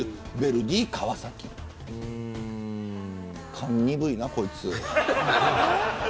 勘鈍いな、こいつ。